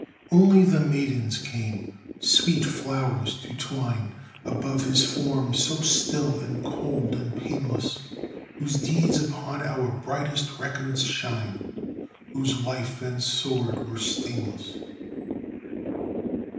Only the maidens came, sweet flowers to twine Above his form so still and cold and painless, Whose deeds upon our brightest records shine, Whose life and sword were stainless.